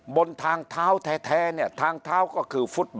บนทางเท้าแท้เนี่ย